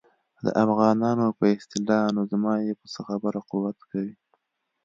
د افغانانو په اصطلاح نو زما یې په څه خبره قوت کوي.